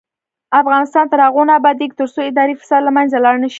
افغانستان تر هغو نه ابادیږي، ترڅو اداري فساد له منځه لاړ نشي.